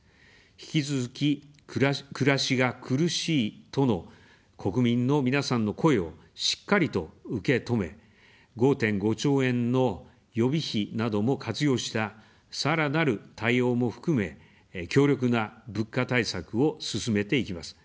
引き続き、暮らしが苦しいとの国民の皆さんの声をしっかりと受け止め、５．５兆円の予備費なども活用した、さらなる対応も含め、強力な物価対策を進めていきます。